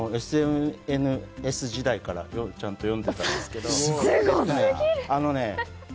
ＳＮＳ時代からちゃんと読んでいたんですけど。